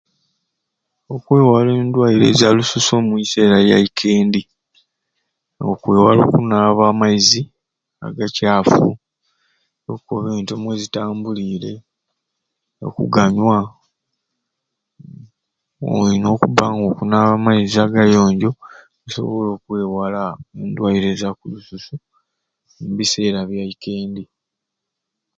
Okwewala endweyire za lususu omubiseera by'ekendi nga okwewala okunaaba amaizi agakyafu ente mwezitambulire okuganywa nga olina okuba nga okunaaba amaizi agayonjo okusobola okwewala endweire za lususu lmubisera byekendi